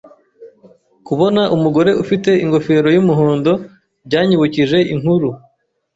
Kubona umugore ufite ingofero yumuhondo byanyibukije inkuru.